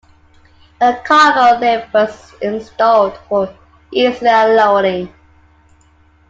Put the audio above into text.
A cargo lift was installed for easier loading.